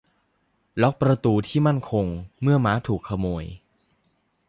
ล็อคประตูที่มั่นคงเมื่อม้าถูกขโมย